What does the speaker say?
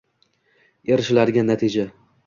erishiladigan natija.